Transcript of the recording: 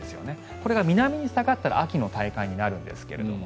これが南に下がったら秋の体感になるんですけれども。